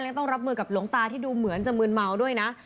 ยังต้องรับมือกับหลวงตาที่ดูเหมือนจะมืนเมาด้วยนะ